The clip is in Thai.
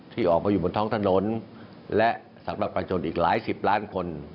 ที่ออกมาอยู่บนท้องถนนและสำหรับประชนอีกหลายสิบล้านคน